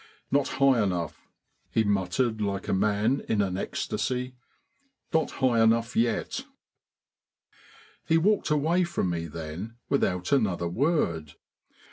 "Not high enough," he muttered like a man in an ecstasy. "Not high enough yet." He walked away from me then without another word.